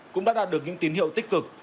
cũng đã đạt được những tín hiệu tích cực